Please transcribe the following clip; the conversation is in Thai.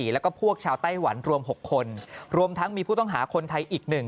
แล้วก็พวกชาวไต้หวันรวม๖คนรวมทั้งมีผู้ต้องหาคนไทยอีกหนึ่ง